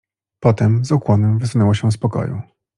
"Potem z ukłonem wysunęła się z pokoju."